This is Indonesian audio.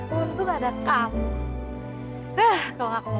nanti kita akan berjalan ke tempat lain